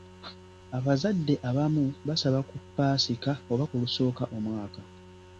Abazadde abamu basaba ku Ppaasika oba ku lusooka omwaka.